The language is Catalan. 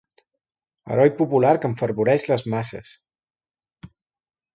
Heroi popular que enfervoreix les masses.